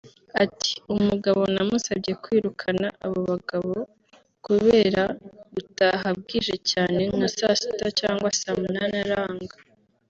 Ati “Umugabo namusabye kwirukana abo bagabo kubera gutaha bwije cyane nka saa Sita cyangwa saa Nunani aranga